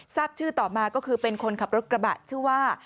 ทราบชื่อต่อมาก็คือเป็นคนขับรถกระบะชื่อว่า